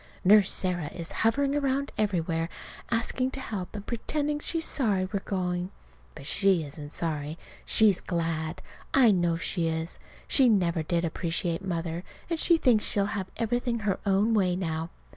Nurse Sarah is hovering around everywhere, asking to help, and pretending she's sorry we're going. But she isn't sorry. She's glad. I know she is. She never did appreciate Mother, and she thinks she'll have everything her own way now.